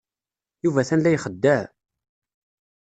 Yuba atan la ixeddeɛ.